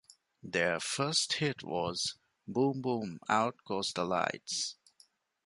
Their first hit was "Boom Boom Out Goes The Lights".